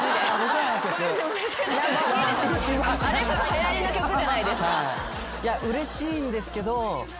いやうれしいんですけどやっぱ。